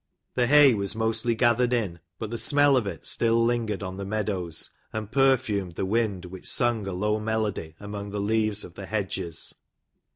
The hay was mostly gathered in, but the smell of it still liugered on the meadows, and perfumed the wind, which sung a low melody among the leaves of the hedges.